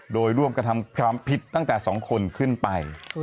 โดยร่วมกระทำความผิดตั้งแต่๒คนขึ้นไป